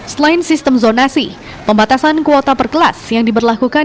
selain sistem zonasi pembatasan kuota per kelas yang diberlakukan